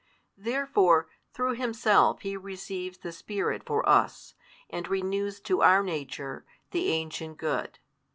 Therefore through Himself He receives the Spirit for us, and renews to our nature, the ancient good.